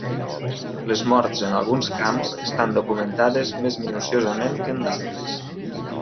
Les morts en alguns camps estan documentades més minuciosament que en d'altres.